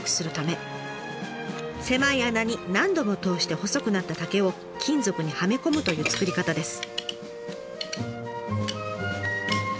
狭い穴に何度も通して細くなった竹を金属にはめ込むという作り方です。